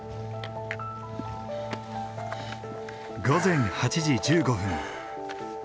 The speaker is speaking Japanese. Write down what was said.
午前８時１５分。